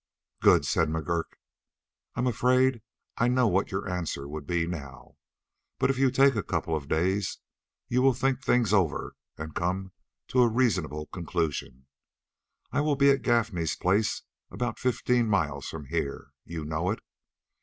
"Good," said McGurk. "I'm afraid I know what your answer would be now, but if you take a couple of days you will think things over and come to a reasonable conclusion. I will be at Gaffney's place about fifteen miles from here. You know it?